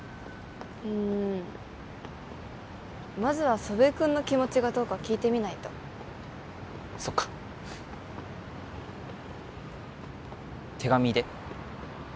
うんまずは祖父江君の気持ちがどうか聞いてみないとそっか手紙で？